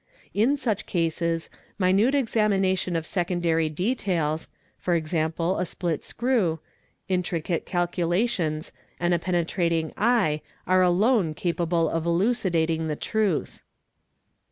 In such cases, ~ minute examination of secondary details (e.g. a split screw),: intricate "calculations, and a penetrating eye are alone capable of elucidating the | truth.